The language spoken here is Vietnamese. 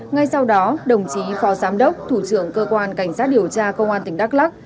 ngay sau đó đồng chí phó giám đốc thủ trưởng cơ quan cảnh sát điều tra công an tỉnh đắk lắc